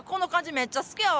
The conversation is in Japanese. めっちゃ好きやわ！